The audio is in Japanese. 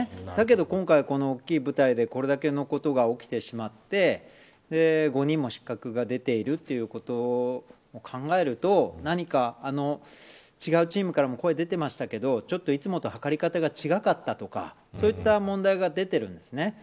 だけれど今回、この大きな舞台でこれだけのことが起きてしまって５人も失格が出ているということを考えると何か、違うチームからも声が出ていましたがいつもと測り方が違かったとかそういった問題が出ているんです。